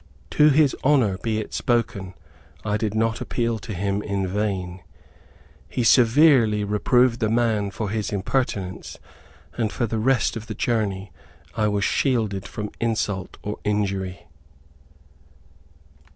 To his honor be it spoken, I did not appeal to him in vain. He severely reproved the man for his impertinence; and for the rest of the journey I was shielded from insult or injury.